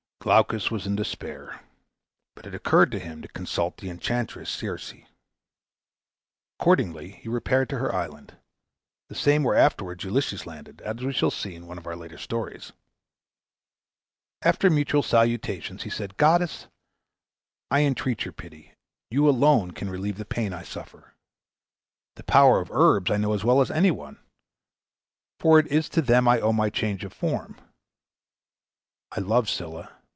Glaucus was in despair, but it occurred to him to consult the enchantress Circe. Accordingly he repaired to her island the same where afterwards Ulysses landed, as we shall see in one of our later stories. After mutual salutations, he said, "Goddess, I entreat your pity; you alone can relieve the pain I suffer. The power of herbs I know as well as any one, for it is to them I owe my change of form. I love Scylla.